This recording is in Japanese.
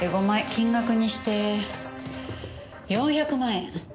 金額にして４００万円。